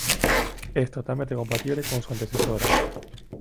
Es totalmente compatible con su antecesora.